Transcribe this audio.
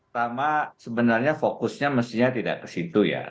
pertama sebenarnya fokusnya mestinya tidak ke situ ya